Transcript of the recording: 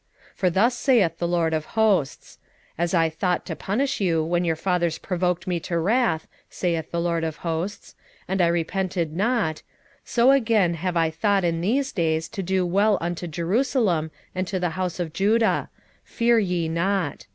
8:14 For thus saith the LORD of hosts; As I thought to punish you, when your fathers provoked me to wrath, saith the LORD of hosts, and I repented not: 8:15 So again have I thought in these days to do well unto Jerusalem and to the house of Judah: fear ye not.